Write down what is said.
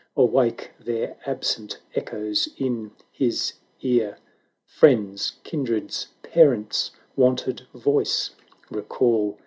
Awake their absent echoes in his ear, Friends' — kindred's — parents' — wonted voice recall.